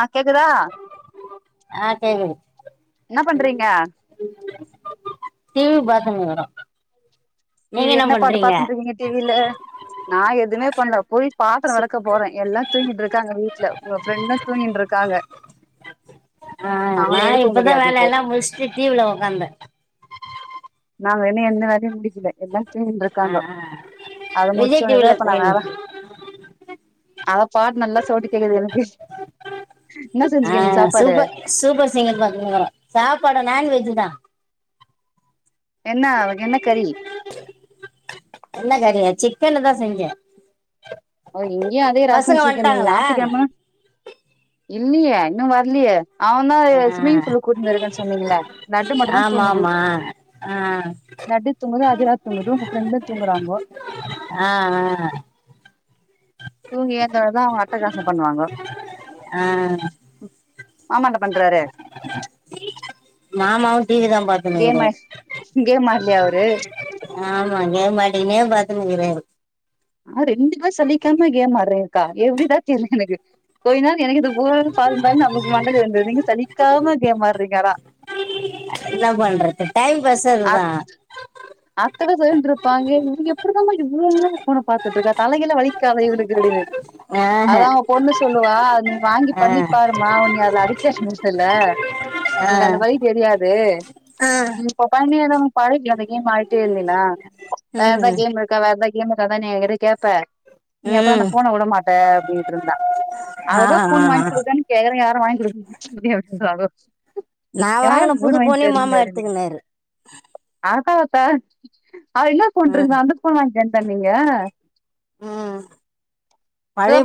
ஆஹ் கேக்குதா ஆஹ கேகுத்து என்ன பண்றீங்க டீ வி பாத்துனுகிறோ டி வி என்ன பாட்டு பாத்துட்ருக்கீங்க டி வில நான் எதுவுமே பண்ணல போய் பாத்திரம் விளக்க போறே எல்லா தூங்கின்டு இருக்காங்க வீட்டுல உங்க ஃப்ரெண்டோ தூங்கின்டு இருக்காங்க ஆஹ் அவங்கள நான் எழுப்ப இப்பதா முடியாது வேல இப்போ எல்லா முழச்சுட்டு டி விலா உகாந்தே நா வேணோ எந்த வேலையோ முடிக்கல என்ன ஆ துங்கின்றுயிகாங்கோ ஆ அத முடிச்ச விஜய் உடனேதான் டிவில இப்ப நான் வேல போயினுக்கு அத பாட்டு நல்லா சவுட் கேக்குது எனக்கு என்ன செஞ்சீங்க இன்னைக்கு ஆஹ் சாப்பாடு சூப்பர் சூப்பர் சிங்கர் பாத்துனுயிருக்குரோ சாப்பாடு நான்வெஜ் தான் என்ன என்ன கறி சிக்கனு தான் செஞ்சேன் ஓ இங்கேயும் அதே ரசம் சிக்கனு நாத்துகிழம இல்லியே இன்னும் வரலயே அவன் தான் ஆ சூமிங் பூல்லு கூட்னு போய்கன்னு சொன்னீங்கள லட்டு மட்டும் தான் ஆமா தூங்குது ஆமா ஆ லட்டு தூங்குது அதிரா தூங்குது ஃப்ரெண்டு தூங்குறாங்கோ ஆஹ் ஆஹ் தூங்கி ஏந்தவுடனே தான் அவுங்க அட்டகாசம் பண்ணுவாங்க ஆஹ் மாமா என்ன பண்றாரு மாமாவும் டிவி தான் பாத்துனுகிராறு இல்லையா அவரு கேம் மாட்டிகினே பாத்துன்னுரக்காரு ஆஹ் ரெண்டு பே சலிக்காம கேம் ஆடுறீங்களா எப்படிதா தெரியல எனக்கு கொஞ்ச நாள் எனக்கு இது போதும் பந்த நம்மளுக்கு மண்டல வந்தது நீங்க சலிக்காம கேம்மாரி ரிங்காடா என்ன பண்றது டைம் பாஸ் அதுதான் அத்தட செவ்வன் இருப்பாங்க இவங்க எப்படிதமா இவளோ நேரம் போன்ன பாத்துட்டு இருக்கா தலைகில வலிக்காத இவளுக்கு ஆஹ அதான் உன் பொண்ணு சொல்லுவா நீ வாங்கி ஆ பண்ணி பாருமா நீ அது அடிக்டி ஆ ஆ [unintelligible] நீ மாரிட்டே இருந்தினா வேற எதா ம் கேம் இருக்கா வேற எ அதே மாரி அதான்னே என்கிட்ட கேக் நீங்க அப்பற அந்த ம் போனை வுட மாட்ட அப்படின்னுட்டு இருந்தா ஆ ஆ அததான் ஆ போன் வாங்கி குடுக்கறன்னு கேக்றே யாரும் வாங்கி குடுக்க முடியாதுன்ரா அவ நா வாங்கின புது போன் ஆஹதா அவ இன்னா போன் ம் இருந்தா அந்த போன் வாங்கி பண்ணீங்க உம்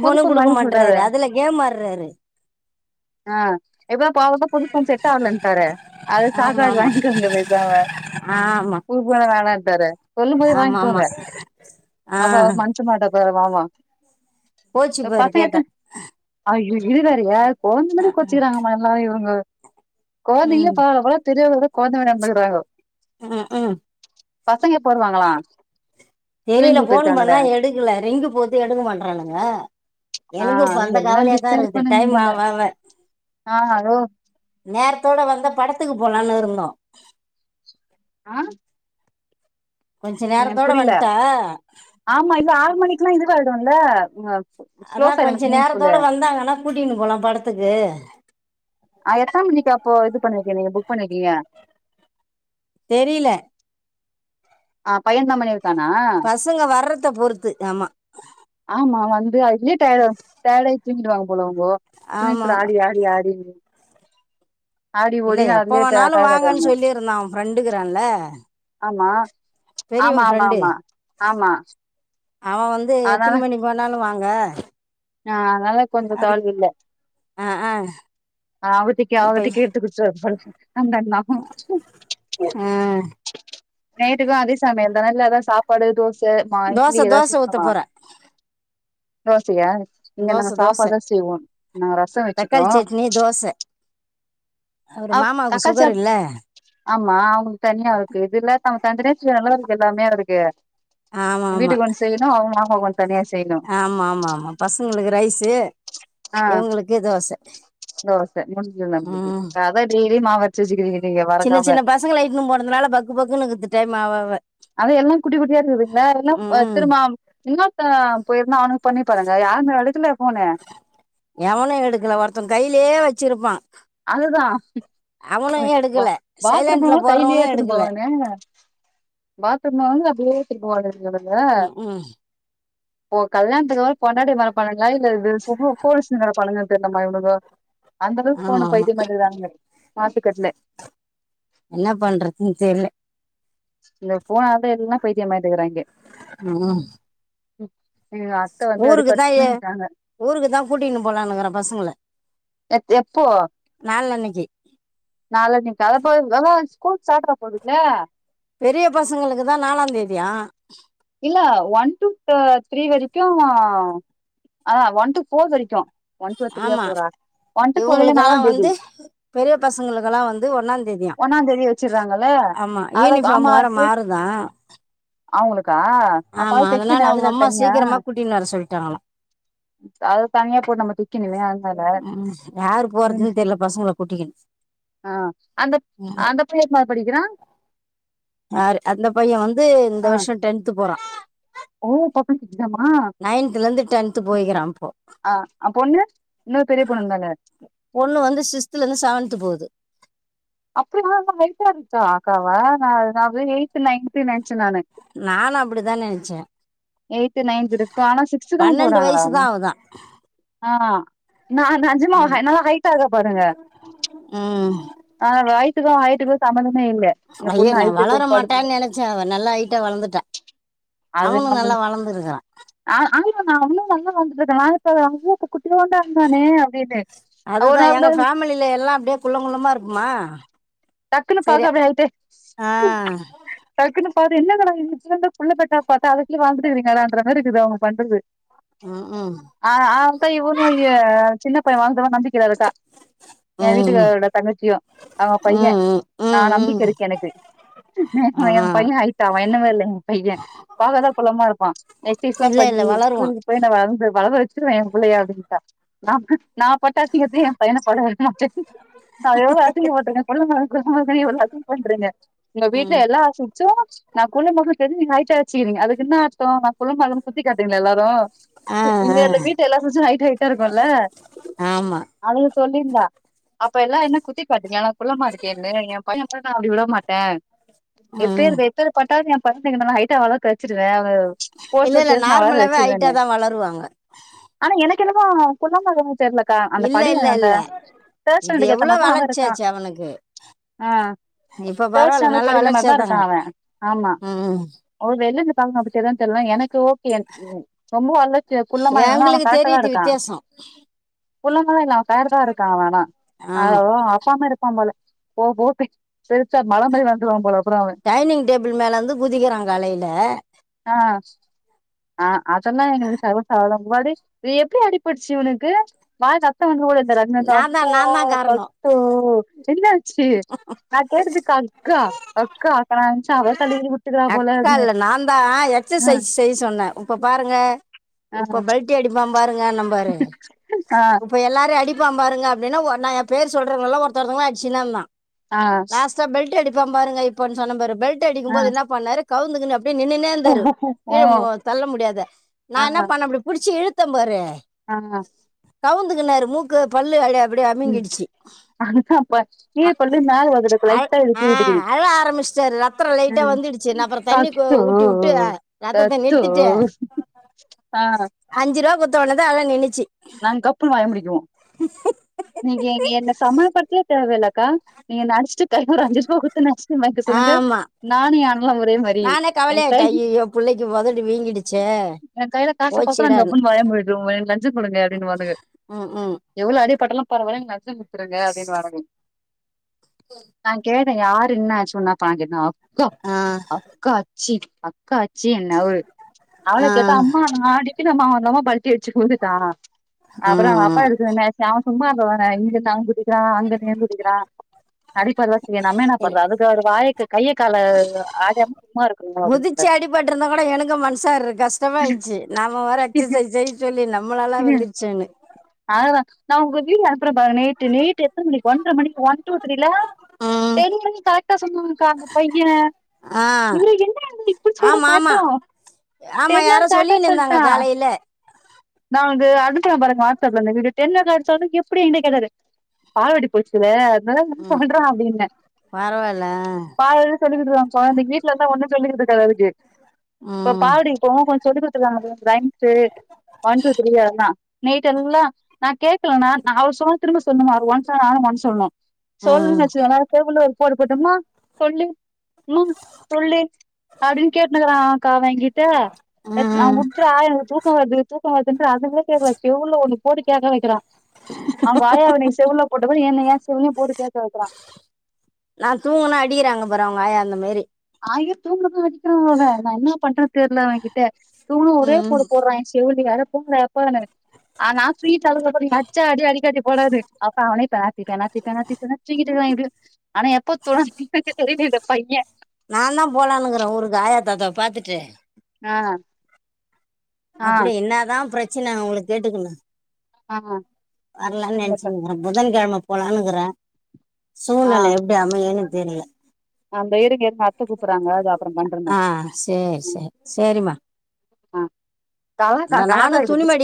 புது ஃபோன் வாங்கன்னு ஆஹ் இப்பதான் போனவருஷம் புது போன் செட் ஆகலன்ட்டாரே அது சாக்கா ஆமா ஆமா வாங்கிக்காங்க பேசாம ஆமா புது போனே வேணா தர சொல்லும் போதே ஆமா ஆமா வாங்கிக்கோங்க ஆ அவ மன்சை மாட்ட [unintelligible] போச்சு அ பாரு பசங்க எத்த கேட்டா ஐயோ இது வேறயா கொழந்த மாரி கோச்சிக்கிறாங்கம்மா எல்லா இவங்கோ கொழந்தைகளே ம் பரவால்ல போல பெரியாளுகள விட கொழந்த மாரி நடந்துக்குறாங்கோ ம் ம் பசங்க எப்போ வருவாங்களா ஸ்விம்மிங் தெரியல பூல் ஃபோன் போயிருக்காங்கல்ல பண்ணா எடுக்கல ரிங்கு போது எடுக்க மாட்றானுங்க ஆ எனக்கு இப்ப அந்த எல்லா கவலையாதா பிஸியா இருக்கு இருப்பானுங்க டைம் போல ஆவ ஆவ ஆ அதோ நேரத்தோட வந்தா பட த்துக்கு போலானு இருந்தோ ஆஹ் கொஞ்ச என்னன் நேரத்தோட புரில வந்ட்டா ஆமா இல்ல ஆறு மணிக் ஃபுல்லா இதுவாய்டும்ல ஆ அதா கொஞ்ச நேரத்தோட வந்தாங்கன்னா கூட்டினு போலா படத்துக்கு ஆ எத்த மணிக்கி அப்போ இது புக் பண்ணிருக்கீங்க நீங்க புக் பண்ணிருக்கீங்க தெரில ஆ பையன்தா பண்ணிரு பசங்க வர்றத பொறுத்து ஆமா ஆமா வந்து அதுலயே டையேடா டையேடாயி தூங்கிடுவாங்க போல அவுங்கோ ஆமா [unintelligible] ஆமா ஆடி ஆடி ஆடி ஆடி இல்ல ஓடி எப்ப அதுலயே டய வேண்ணாலு டயர்ட் வாங்கன்னு ஆயிடுவாங்க சொல்லிருந்தா அவ ஃப்ரெண்டு இருக்குறான்ல ஆமா பெரியவ ஆமா ஆமா ஃரெண்டு ஆமா ஆமா அவ வந்து எத்தினி மணி போனா சொல்லுவாங்க நா அதனால கொஞ்ச கவலையில்ல ஆ ஆ அவதிக்கே இப்போ அவதிக்கே [unintelligible] வந்தான்னா ஆ நைட்டுக்கு அதே சமையல்தானா இல்ல எதாவது சாப்பாடு தோ ச நா இட்லி தோசை ஏதாசு தோசை ஊற்ற சுடுனுமா போகிறேன் தோசயா இங்க நா தோசை தோசை சாப்பாடுதா செய்வோ நா ரச வச்சுட்டோ தக்காளி சட்னி தோசை அவர் அ மாமாவுக்கு தக்காளி சுகர் சாப் இல்லை ஆமா அவுங்களுக்கு தனியா இருக்கு இது இல்லாட்டா கொஞ்ச நேரத்துல நல்லாருக்கு எல்லா மேடத்துக்கு அ வீட்டுக்கு வந்து செய்யனு அவுங் மாமா வந் ஆமா ஆமாமா பசங்களுக்கு ரைஸு ஆ இவங்களுக்கு தோச தோச முடிஞ்சுது நம்மளுக்கு உம் அதா டெய்லி மாவரச்சு வச்சுகிரிங்க சின்ன சின்ன பசங்கலட்டுன்னு போனதுனால பக்கு பக்குனுக்கு டைம் ஆவாவ அத எல்லா குட்டி குட்டியா இருக்குதுங்கள எல்லா ம் அ ம் திரும்மா இன்னோர்த போய்ருந்தா அனுக் தொண்ணி தொரங்க யானு எடத்துல எவனு எடுக்கல ஒருத்த கைலே வச்சிருப்பா அதுதா எடுக்கல சைலண்ட்ல பாத்ரூமு கைலே போடுறவனும் ஏத்துனு எடுக்கல போவானே பாத்ரூம் அப்டியே [unintelligible] ம், ம். [unintelligible] ஓ கல்யாணத்துக்கு அப்றம் பொண்டாடி மரப்பாணுங்ளா இல்ல இது போங்கர பண்ணங்கனு தெரியலம்மா இவளோ ஆமா போனு ஆமா பைத்தியமாயிருக்ராங்க மாசுக்கட்டுல என்ன பண்றதுன்னு தெரில இல்ல போனாதான் எல்லாம் பைத்தியமாட்டுக்கறாங்க உஹ் [inaudible] அத்த வந்து அப்டி ஊருக்கு தான் படுத்து தூங்கிட்டாங்க ஊருக்கு தான் கூட்டினு போலாம்னுங்கிறேன் பசங்க நாளன்னைக் கி நால நீ கல [unintelligible] ஸ்கூல் சாட்டுற போதுல பெரிய பசங்களுக்குதான் நாலாம் தேதியா இல்ல ஒன் டு த்ரீ வரைக்கும் ஆ ஒன் டு ஃபோர் வரைக்கும் ஆமா வரைக்கு நாலாந் இவுங்கலுக்கெல்லாம் தேதி வந்து பெரிய பசங்களுக்கெல்லாம் வந்து ஒன்னா தேதியா ஒன்னாந் தேதி வச்சிடுறாங்கல்ல ஆமா அத யூனிஃபார்ம் வர மாறுதான் அவுங்களுக்கு [unintelligible] ப்ப ஆமா தைக்கு அதனால அவங்க அதுல அம்மா தனியா சீக்கிரமா கூட்டின்னு வர சொல்லிட்டாங்களாம் அத தனியா போட்டு நம்ம தக்கணுமே உ யாரு போறதுன்னு தெரில பசங்க கூட்டிக்ணு ஆ அந்த அந்த பைய எத்தனாவது படிக்கிறா ரு அந்த பையன் வந்து இந்த ஆ வருஷம் டென்த் த்து போறான் ஓ பக்க மா நைன்த்துலேருந்து டென்த்து போய்க்கிறான் இப்போ ஆஹ் பொண்ணு இன்னொரு பெரிய பொண்ணுருந்தால ஒண்ணு வந்து சிக்ஸ்துல இருந்து செவன்த் போவுது அப்டியா இருச்சா அக்காவா நான்து எய்த்து நைன்த்து நெனச்சே நானு நானும் அப்டிதான் நெனச்சேன் எய்த் நைன்த் இருக்கும் ஆனா சிக்ஸ்த் தான் பன்னெண்டு போறாங்களா வயசு தான் அவதான் ஆஹ் நான் நெஜமா ந ஹைட் ஆக பாருங்க ம் ஆ யட்டுக்கும் ஹைட்டுக்கும் சம்பந்தமே இல்ல இந்த ஐயோ பொண்ணு நான் வளர ஹைட்டுக்கும்படுது மாட்டான்னு நினச்சேன் அவன் நல்லா ஹைட்டாக அது நம்மளு வளர்ந்ருக்கறான் நான் அவுனும் நல்ல வளந்துட்ருக்கான் இப்ப அவ ஒரு அதுதான் நாள் கூட எங்க ஃபேமிலில எல்லாம் அப்படியே குள்ளங்குள்ளமா இருக்குமா டக்குனு சரி பாக்க அப்டி ஆயிட்டேன் ஆ அப்ப அது என்னங்கடா இது இப்ப தான் புள்ள பெத்தான்னு பாத்தா அதுக்குள்ளே வளந்துட்ருக்கிங்களேடா அப்டிங்றமாதிரிக்குது அவங்க பண்றது ம் ம் ஆஹ் ஆக்க இவன சின்னப் போய் வாங் நம்பிக்கில இருக்கா என் ம் வீட்டுக்காரோட தங்கச்சியும் அவ பையன் ம் ம் ம் நான் நம்பிக்க ம் இருக்கு எனக்கு ஆ என் பையன் ஹயிட் அவன் என்னமாரி இல்ல என் பையன் பாக்கதான் குள்ளமா இருப்பான் எக்சைஸ்லாம் இல்லை இல்லை பண்ணி வளருவான் ஸ்கூலுக்கு போய் நான் வளந் வளர வான் புள்ளயா அப்படின்ட்டா நாம நான் [unintelligible] ச நா எவ்ளோ அசிங்கப்பட்டுருக்கேன் சொல்லுங்க எவ்ளோ அசிங்கப்பட்டுருக்கேன் உங்க வீட்ல ம் எல்லா சொ நான் குள்ளமாகு தெரிஞ்சி நீங்க ஆயிட்டா வச்சுக்கிறீங்க அதுக்குன்ன நான் குள்ளமா இருக்கெனு குத்தி காட்டீங்களா எல்லாரும் ஆ இங்க ஆ வீட்டு எல்லாம் ஹைட்டா இருக்கும்ல்ல ஆமாம் அது சொல்லியிருந்தா அப்ப எல்லாம் என்ன குத்தி காட்டீங்களா குள்ள மா என் பையன் நான் அப்டி விட மாட்டேன் எப்பேரு ம் வெத்து பட்டானியா ஃபஸ்ட் இதெல்லாம் ஹைட்டா வளர கச்சிருவேன் ஆஹ் போஸ்ட் இல்லை இல்லை அச்சிநா வளர நார்மலாகவே வச்சிருவே ஹைட்டாக தான் வளருவாங்க ஆனா எனக் எனக்கு என்னவோ குள்ளமா இருக்கற மாரி தெர்ல க்க அந்த இல்ல படி இல்ல அந்த இல்ல இது தேட்ஸ்டாண்டு ஏத்த எவ்வளோ மாரிதான் அவன் இருக்கான் வளர்ச்சியாச்சு அவனுக்கு ஆஹ் இப்ப தேர்ட் பரவாயில்ல ஸ்டாண்டர்ட் நல்ல படிக்கிற வளர்ச்சியா மாரிதான் இருக்கான் தாங்கிறான் அவன் ஆமா ம் வெள்ல இருந்து பாங்க அப்படி தான் தெரியலாம் எனக்கு ரொம்ப வளச்சி குள்ளமாலா இல்ல அவன் எங்களுக்கு கரெக்டா தான் தெரியுது இருக்கான் வித்தியாசம் குள்ளமா இல்ல மேல தான் இருக்கான் அவன் ஆனா அத ஆமா அப்பா மாரி இருப்பான் போல போ போ சரிச்சா மல மாரி வந்துருவாங்க போல அப்புறம் அவன் டைனிங் டேபிள் மேல இருந்து குதிக்கிறான் காலையில ஆஹ் அதெல்லாம் எங்களுக்கு சர்வ சாதாரணம் எப்படி அடிப்பட்டுச்சி அவனுக்கு வந்து ஓடியந்தாரு நான் அம்மா தான் நான் தான் காரணம் பத்து [unintelligible] சரி ந கதுக்கு அக்கா அக்கா நான் நெனச்சேன் அவ தள்ளி கிள்ளி விட்டுக்கிறா போல அக்கா அப்டின்னு இல்ல நான் தான் எக்சசைஸ் செய்யா சொன்னேன் இப்போ பாருங்க ஆ இப்ப பெல்ட அடிப்பான் பாருங்க நம் பாரு ஆ இப்ப எல்லாரும் அடிப்ப பாருங்க அப்டின்னு நான என் பேர் சொல்றதுல்ல ஒருத்தவங்க ஆயிச்சுான்ந்தான் ஆ லாஸ்ட் பெல்ட் அடி இப்ப பாருங்க இப்பனு சொன்னரு பெல்ட் ஆ அடிக்கும்போது என்ன பண்ணாரு கவுந்துகுனு நின்னுன்டே ஓ இருந்தாரு ஓ கீழ தள்ள முடியாத நான என்ன பண்ண இப்டி புடிச்சு இழுத்து எத்தம்பற ஆஹ் கவுந்துக்குனாரு மூக்கு பல்லு [unintelligible] ம் இப்ப கீழ் பல்லு மேல வலந்திருக்கு அழ- லைட்டா ஆ எதுக்கு இடுக்குது அழ ஆரம்பிச்சிட்டாரு ரத்தம் லைட்டா வந்துடுச்சு நா அப்பறம் தண்ணி உத்திட்டு ரத்தத்தை தத்தோ நிறுத்திட்டு ஆ அஞ்சு ரூபா குத்தோன தான் அத நினைச்சு நாங்க கப்புன்னு வாய முடிக்குவோம் நீங்கங்க என்ன சமய படுத்தவே தேவ இல்ல அக்கா நீங்க நடிச்சிட்டு கைபில ஒரு அஞ்சு ரூபா குடுத்து ஜஸ்கீரீம் வாங்கிட்டு வர சொன்னுங்க ஆமா நானும் அவனும் ஒரே மாரி நானே என் கை கவலையாயிட்டேன் ஐயோ பிள்ளைக்கு உதடு வீங்கிடுச்சு என் கையில காச பாத்த போச்சுடான்னு டப்புன்னு வாய முடிடுவா லஞ்சு ங்க அப்டின்னு பாத்துக்கோ ம் ம் எவ்வளோ அடிபட்டலாம் பரவாயில்ல வத்துருங்க [unintelligible] வாரங்க நா கேட் யார் என்ன சொன்னா பாங்கா அக்க ஆ அக்கா சீட் காட்சி என்ன ஒரு அவள ஆ கேட்டா அம்மா தான் இனமாந்தமா பல்டி அடிச்சு போகுது [unintelligible] அப்பறம் அம்மா ஆ இருக்குது சாம் சும்மா அங்க வார இங்க சவ்ன்ட் வருது அங்க கேந்து துடிக்கிறான் நடிப்பல்லாம் செய்ய நம்மனப்படுற அதுக்கு ஒரு வாயைக்கு கையை கால ஆறாம சும்மா இருக்கணுங்கள குதிச்சு அப்படின்ற அடிபட்டு இருந்தா கூட எனக்கு மனசா இரு கஷ்டமாயிடுச்சு நம்மளாலாம் வந்துடுச்சேன்னு ஆவள நா குத்திடுவே [unintelligible] நைட் எத்தன மணிக்கு ஒன்றரை மணிக்கு ஒன் டூ த்ரில ம் தெரிஞ்சி கரெக்டா சொன்னக்கா அங்க பையன் ஆ இவரு என்ன இப்டி சொல்ற ஆமா ஆமா கரெக்டா ஆமா தெரியல யாரோ கேட்டா சொல்லின்னு இருந்தாங்க சொல்லிட்டான் காலையில நான் வந்து அடிக்கிற பாரு வீடுன்னக்கடுத்தாலும் [unintelligible] எப்படி என் கிட்ட கேட்டாரு பாவாடி போச்சுங்க ம் சொல்றான் அப்படின்ன பரவாயில்ல பழ சொல்லிடுவான் குழந்தை வீட்டுல இருந்தான் ஒண்ணும் சொல்லி சிலருக்கு இப்ப ம் பால்வாடி போணோ கொஞ்சம சொல்லி [unintelligible] சேரி ஒன் டூ த்ரி யன்னா எல்லாம் நான் கேக்கலனா ந அவர் சொ ம் [unintelligible] போரு போட்டமா சொல்லி மா சொல்லி அப்படின்னு கேட்டுனுக்குறான்க அவன் என்கிட்ட நான் ம் விட்டுற எனக்கு தூக்கம் வருது தூக்க [unintelligible] உள்ள ஒன்னு போட்டு கேட்க வைக்கிறான் அவங்க ஆயாவ அவ நீ செவுல போட்ட போ என்ன ஏன் செவுலையும் போட்டு கேக்க வைக்கறான் அப்பறவங்காய அந்த மாரி ஆயி தூங்கதான் வடிக்கிற நான் என்ன பண்றேன் தெரல அவன்கிட்ட தூணு ஒரே ம் கூட போடுறான் என் செவலியா ப்ப ஆ நான் ஸ்வீட் அ அச்சா அடி அடிக்காட்டி போடது அப்ப அவனப்ப பேனாத்தி பேனாத்திச்சக்கிட்டுப்ப ஆனா எப்போ தோ தெரிய [unintelligible] பையன் நா தான் போலானுங்கிறேன் ஆய்யா தாத்தா வா பாத்துட்டு ஆஹ் அப்டி என்ன தான் பிரச் ச்சின உங்கள கேட்டுக்கணோ ஆஹ் வரலானு நெனசிக்கிருகேன் புதன்கிழம போலானுக்கிறேன் ஆ சூழ்நில எப்டி அமயின்னு தெரியல அந்த இருக் எ ஆஹ் சேரி சேரி சேரிம்மா ஆஹ் காலக்கா இந்த நானு காலக்கது துணிமடி